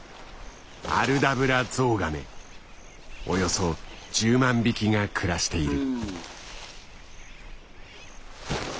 およそ１０万匹が暮らしている。